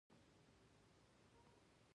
استاد د پرمختګ هیله لري.